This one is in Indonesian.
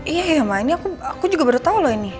iya ya mak aku juga baru tahu loh ini